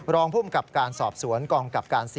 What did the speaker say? รองภูมิกับการสอบสวนกองกับการ๔